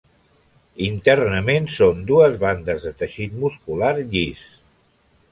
Internament, són dues bandes de teixit muscular llis.